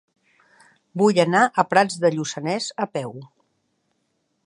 Vull anar a Prats de Lluçanès a peu.